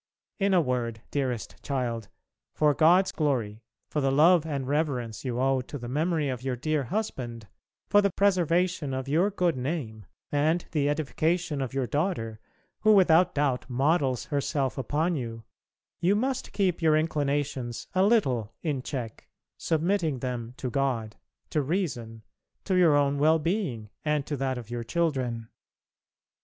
In a word, dearest child, for God's glory, for the love and reverence you owe to the memory of your dear husband, for the preservation of your good name, and the edification of your daughter, who, without doubt, models herself upon you, you must keep your inclinations a little in check, submitting them to God, to reason, to your own well being and to that of your children.